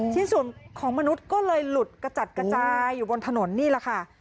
ชิ้นส่วนของมนุษย์ก็เลยหลุดกระจัดกระจายอยู่บนถนนนี่แหละค่ะ